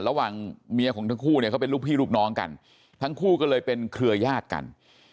ระหว่างเมียของทั้งคู่เนี่ยเขาเป็นลูกพี่ลูกน้องกันทั้งคู่ก็เลยเป็นเครือญาติกัน